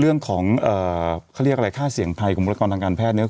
เรื่องของเขาเรียกอะไรค่าเสี่ยงภัยของบุรกรทางการแพทย์เนี่ย